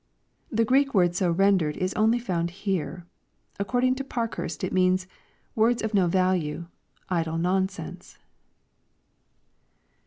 ] The Greek word so rendered is only found here. According to Parkhurst it means, " Words of no value ; idle non sense."